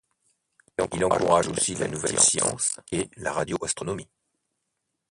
Il encourage aussi la nouvelle science qu'est la radioastronomie.